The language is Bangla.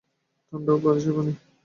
ঠাণ্ডা ও ভারি সেই পানি।